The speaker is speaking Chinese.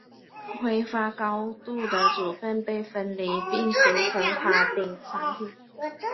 挥发度高的组分被分离开并形成塔顶产品。